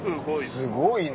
すごいな。